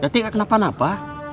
yati gak kenapa napa